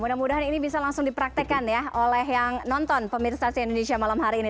mudah mudahan ini bisa langsung dipraktekan ya oleh yang nonton pemirsa si indonesia malam hari ini